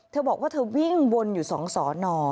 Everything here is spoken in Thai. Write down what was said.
เธอบอกว่าเธอวิ่งวนอยู่๒สอนอ